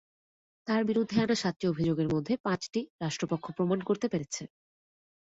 তাঁর বিরুদ্ধে আনা সাতটি অভিযোগের মধ্যে পাঁচটি রাষ্ট্রপক্ষ প্রমাণ করতে পেরেছে।